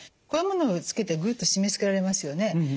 こういうものをつけてグッと締めつけられますよね。